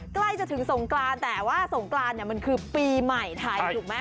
ใกล้จะถึงสงกรานแต่ว่าสงกรานเนี่ยมันคือปีใหม่ไทยถูกไหม